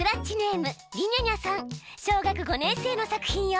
小学５年生の作品よ。